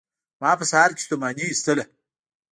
ما په سهار کې ستوماني ایستله